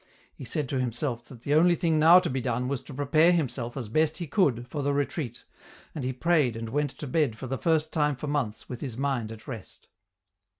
He said tc himself that the only thing now tc be done was to prepare himself as best he could foi the retreat., and he prayed and went to bed for the first time for months with his mind at rest.